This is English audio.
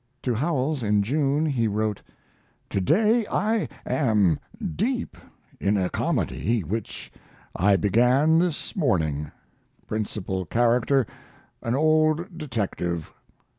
To Howells, in June, he wrote: To day I am deep in a comedy which I began this morning principal character an old detective.